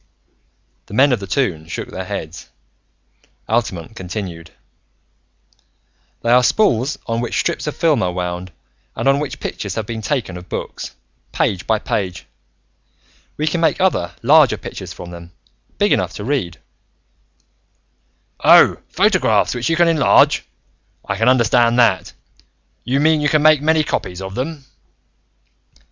The men of the Toon shook their heads. Altamont continued: "They are spools on which strips of films are wound and on which pictures have been taken of books, page by page. We can make other, larger pictures from them, big enough to be read " "Oh, photographs, which you can enlarge. I can understand that. You mean, you can make many copies of them?"